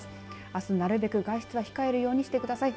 あすなるべく外出は控えるようにしてください。